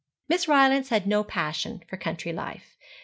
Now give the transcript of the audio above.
Miss Rylance had no passion for country life.